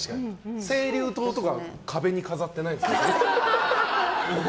青竜刀とか壁に飾ってないですか。